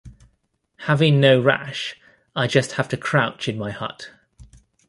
Having no rash, I just have to crouch in my hut.